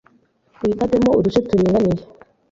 uyikatemo uduce turinganiye